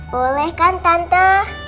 boleh kan tante